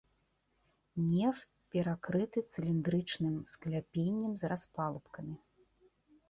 Неф перакрыты цыліндрычным скляпеннем з распалубкамі.